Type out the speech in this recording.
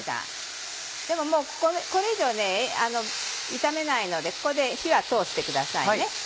でももうこれ以上炒めないのでここで火は通してくださいね。